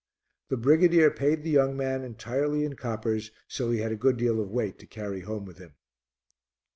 The brigadier paid the young man entirely in coppers, so he had a good deal of weight to carry home with him.